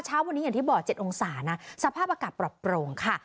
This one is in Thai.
เช้าวันนี้อย่างที่บอก๗องศานะสภาพอากาศปรับโปร่งค่ะ